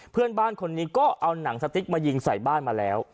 เพื่อนบ้านคนนี้ก็เอาหนังสติ๊กมายิงใส่บ้านมาแล้ว